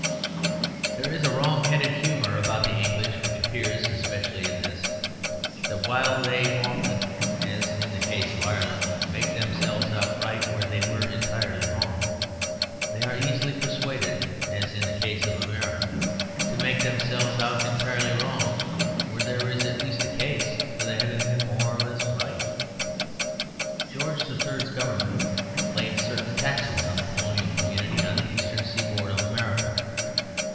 There is a wrong headed humour about the English which appears especially in this, that while they often (as in the case of Ireland) make themselves out right where they were entirely wrong, they are easily persuaded (as in the case of America) to make themselves out entirely wrong where there is at least a case for their having been more or less right. George III.'s Government laid certain taxes on the colonial community on the eastern seaboard of America.